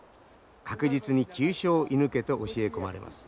確実に急所を射ぬけと教え込まれます。